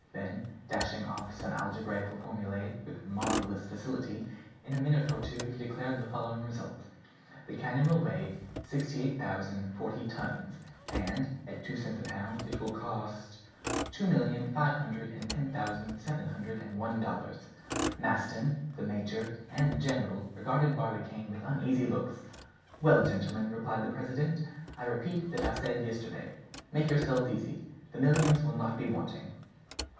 Then, dashing off some algebraical formulae with marvelous facility, in a minute or two he declared the following result: "The cannon will weigh 68,040 tons. And, at two cents a pound, it will cost—" "Two million five hundred and ten thousand seven hundred and one dollars." Maston, the major, and the general regarded Barbicane with uneasy looks. "Well, gentlemen," replied the president, "I repeat what I said yesterday. Make yourselves easy; the millions will not be wanting."